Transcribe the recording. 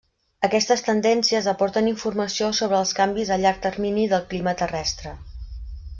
Aquestes tendències aporten informació sobre els canvis a llarg termini del clima terrestre.